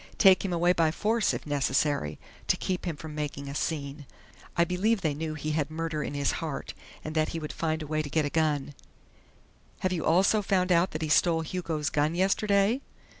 Take him away by force, if necessary, to keep him from making a scene. I believe they knew he had murder in his heart, and that he would find a way to get a gun " "Have you also found out that he stole Hugo's gun yesterday?"